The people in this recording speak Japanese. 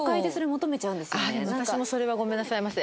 私もそれはごめんなさいませ。